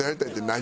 何？